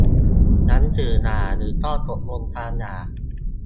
หนังสือหย่าหรือข้อตกลงการหย่า